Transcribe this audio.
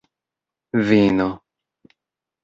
vino